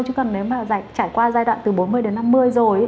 chứ còn nếu mà trải qua giai đoạn từ bốn mươi đến năm mươi rồi